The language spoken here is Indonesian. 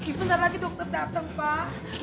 sebentar lagi dokter datang pak